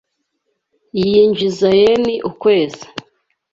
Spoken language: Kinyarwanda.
Yinjiza yen ukwezi .